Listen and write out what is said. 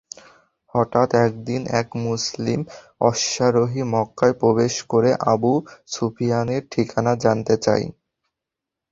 হঠাৎ একদিন এক মুসলিম অশ্বারোহী মক্কায় প্রবেশ করে আবু সুফিয়ানের ঠিকানা জানতে চায়।